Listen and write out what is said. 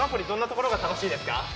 どんなところが楽しいですか？